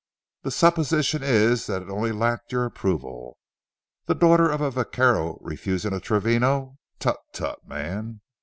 The supposition is that it only lacked your approval. The daughter of a vaquero refusing a Travino? Tut, tut, man!"